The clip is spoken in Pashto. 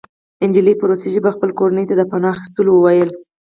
نجلۍ په روسي ژبه خپلې کورنۍ ته د پناه اخیستلو وویل